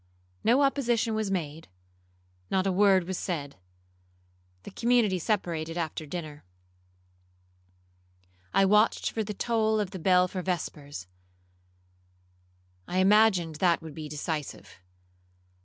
No opposition was made,—not a word was said. The community separated after dinner. I watched for the toll of the bell for vespers,—I imagined that would be decisive.